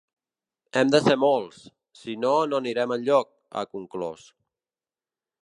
Hem de ser molts, si no, no anirem enlloc, ha conclòs.